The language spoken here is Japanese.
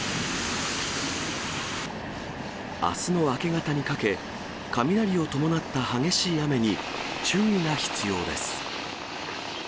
あすの明け方にかけ、雷を伴った激しい雨に注意が必要です。